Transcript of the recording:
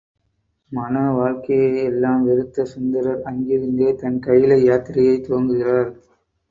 மண வாழ்க்கையை எல்லாம் வெறுத்த சுந்தரர், அங்கிருந்தே தன் கயிலை யாத்திரையைத் துவங்குகிறார்.